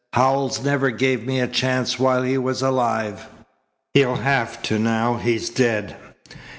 "Howells never gave me a chance while he was alive. He'll have to now he's dead."